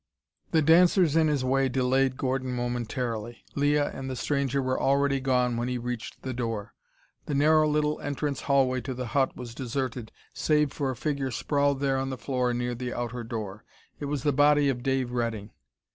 The dancers in his way delayed Gordon momentarily. Leah and the stranger were already gone when he reached the door. The narrow little entrance hallway to the Hut was deserted save for a figure sprawled there on the floor near the outer door. It was the body of Dave Redding.